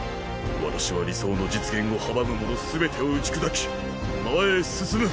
私は理想の実現を阻む者全てを打ち砕き前へ進む。